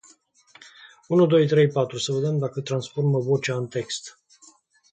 The two remaining men fled the scene, leaving horrified shoppers.